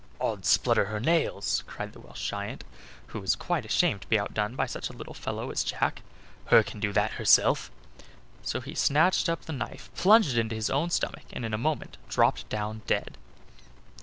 "Ods splutter hur nails!" cried the Welsh giant, who was ashamed to be outdone by such a little fellow as Jack, "hur can do that hurself"; so he snatched up the knife, plunged it into his own stomach, and in a moment dropped down dead.